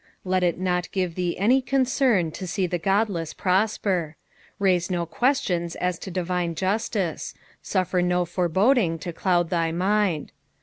Let it not give thea any concern to see the godless prosper. RHise no questinns as to divioe justice ; suffer no fore boding tii cloud thy raind.